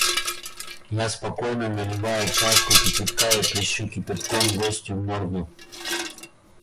Я спокойно наливаю чашку кипятка и плещу кипятком гостю в морду.